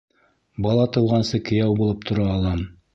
Бала тыуғансы кейәү булып тора алам.